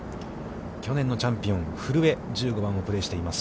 去年のチャンピオン、古江、１５番をプレーしています。